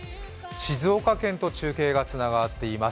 静岡県と中継がつながっています。